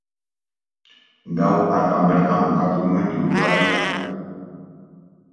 Gau hartan bertan bukatu nuen liburuaren irakurketa.